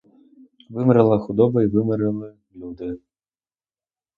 Вимерла худоба й вимерли люди.